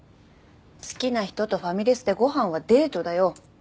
好きな人とファミレスでご飯はデートだよ。